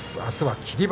あすは霧